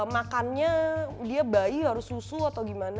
makannya dia bayi harus susu atau gimana